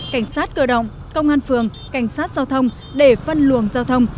cảnh sát cơ động công an phường cảnh sát giao thông để phân luồng giao thông